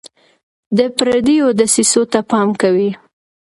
د پردیو دسیسو ته پام کوئ.